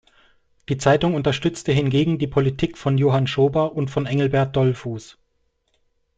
Die Zeitung unterstützte hingegen die Politik von Johann Schober und von Engelbert Dollfuß.